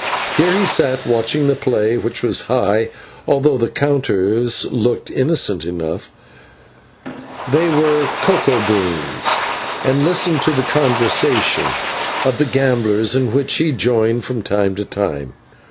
Here he sat watching the play, which was high, although the counters looked innocent enough they were cocoa beans and listened to the conversation of the gamblers, in which he joined from time to time.